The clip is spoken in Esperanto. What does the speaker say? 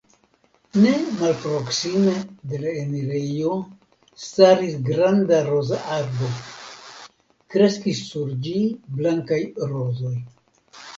Ne malproksime de l enirejo staris granda rozarbo; kreskis sur ĝi blankaj rozoj.